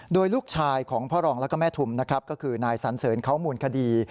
โดยลูกชายของพ่อรองแล้วก็แม่ทุมนะครับก็คือนายสันเสริญเขามูลคดี